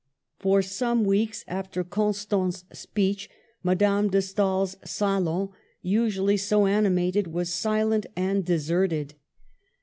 For some weeks after Constant's speech Ma dame de Stael's salon, usually so animated, was silent and deserted.